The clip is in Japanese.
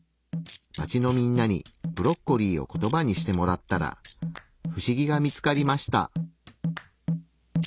街のみんなにブロッコリーをコトバにしてもらったら不思議が見つかりました。